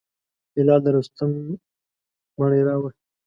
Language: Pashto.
هلال د رستم مړی راووړ.